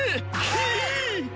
ひい！